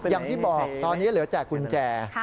อย่างที่บอกตอนนี้เหลือแต่กุญแจ